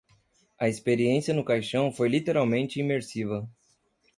A experiência no caixão foi literalmente imersiva.